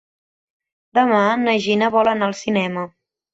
Demà na Gina vol anar al cinema.